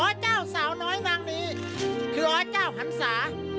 เจ้าสาวน้อยนางนี้คืออเจ้าหันศา